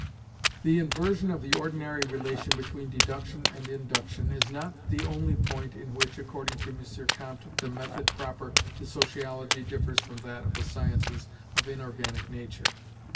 The inversion of the ordinary relation between Deduction and Induction is not the only point in which, according to M. Comte, the Method proper to Sociology differs from that of the sciences of inorganic nature.